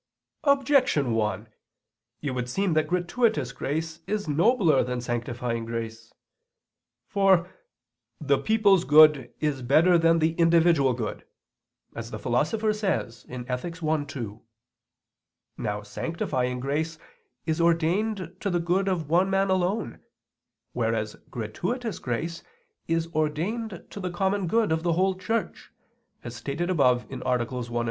Objection 1: It would seem that gratuitous grace is nobler than sanctifying grace. For "the people's good is better than the individual good," as the Philosopher says (Ethic. i, 2). Now sanctifying grace is ordained to the good of one man alone, whereas gratuitous grace is ordained to the common good of the whole Church, as stated above (AA. 1, 4).